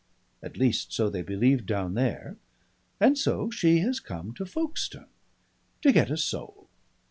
At least so they believe down there. And so she has come to Folkestone. To get a soul.